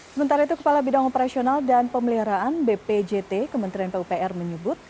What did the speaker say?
sementara itu kepala bidang operasional dan pemeliharaan bpjt kementerian pupr menyebut